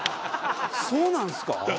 そうなんすか？